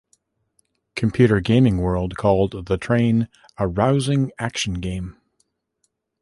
"Computer Gaming World" called "The Train" "a rousing action game".